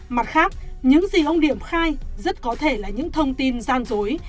mặt khác những gì ông điểm khai rất có thể là những thông tin gian dối